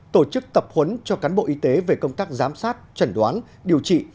tổ chức tập huấn cho cán bộ y tế về công tác giám sát chẩn đoán điều trị